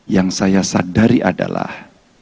yang saya sadari adalah